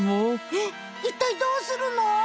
えっいったいどうするの？